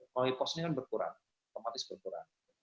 melalui pos ini kan berkurang otomatis berkurang